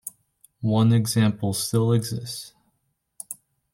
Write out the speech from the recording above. One example still exists.